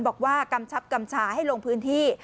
กำชับกำชาให้ลงพื้นที่